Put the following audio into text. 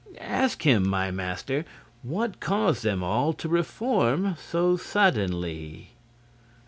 Ask him, my master, what caused them all to reform so suddenly."